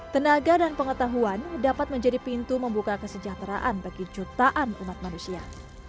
tenaga dan pengetahuan dapat menjadi pintu membuka kesejahteraan bagi jutaan umat manusia